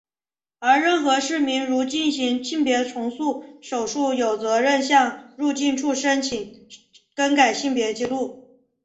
而任何市民如进行性别重塑手术有责任向入境处申请更改性别纪录。